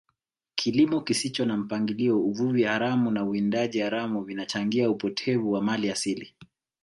kilimo kisicho na mpangilio uvuvi haramu na uwindaji haramu vinachangia upotevu wa mali asili